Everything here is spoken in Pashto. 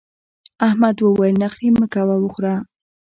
احمد وويل: نخرې مه کوه وخوره.